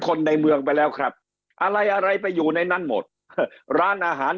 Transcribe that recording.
คนในเมืองไปแล้วครับอะไรอะไรไปอยู่ในนั้นหมดร้านอาหาร